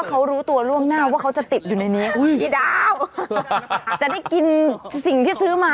คุณมันเพลินจริงค่ะค่ะ